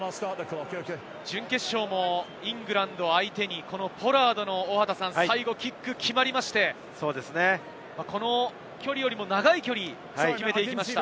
準決勝もイングランドを相手に、ポラードの最後、キック決まって、この距離よりも長い距離を決めていきました。